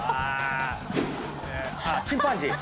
チンパンジー。